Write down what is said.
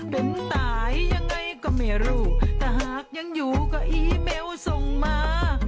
เป็นตายยังไงก็ไม่รู้แต่หากยังอยู่ก็อีเบลส่งมา